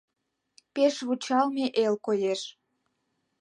Пеш вучалме эл коеш